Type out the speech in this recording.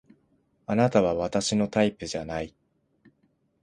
あなたは私のタイプじゃない